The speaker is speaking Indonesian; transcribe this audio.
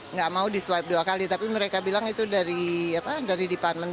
nggak mau di swipe dua kali tapi mereka bilang itu dari deparman